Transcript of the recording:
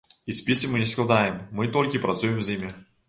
І спісы мы не складаем, мы толькі працуем з імі.